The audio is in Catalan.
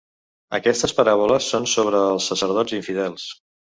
Aquestes paràboles són sobre els sacerdots infidels.